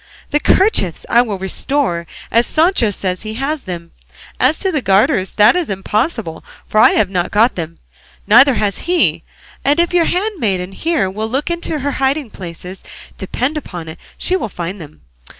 The kerchiefs I will restore, as Sancho says he has them; as to the garters that is impossible, for I have not got them, neither has he; and if your handmaiden here will look in her hiding places, depend upon it she will find them.